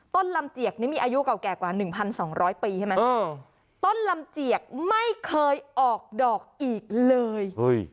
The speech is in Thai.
ลำเจียกนี้มีอายุเก่าแก่กว่า๑๒๐๐ปีใช่ไหมต้นลำเจียกไม่เคยออกดอกอีกเลย